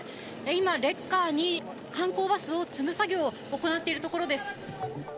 今、レッカーに観光バスを積む作業を行っているところです。